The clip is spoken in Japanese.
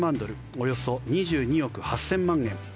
およそ２２億８０００万円。